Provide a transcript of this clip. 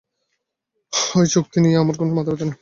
ওই চুক্তি নিয়ে আমার কোন মাথা ব্যাথা নেই।